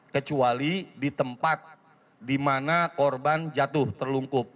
kecuali di tempat di mana korban jatuh terlungkup